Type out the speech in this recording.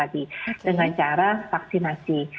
dengan cara vaksinasi